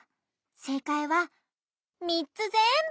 せいかいはみっつぜんぶ！